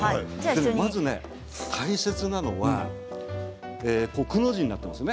まずね、大切なのはくの字になっていますね。